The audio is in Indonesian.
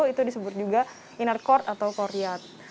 itu disebut juga inner court atau koriat